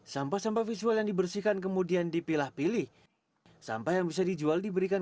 sampah sampah visual yang dibersihkan kemudian dipilah pilih sampah yang bisa dijual diberikan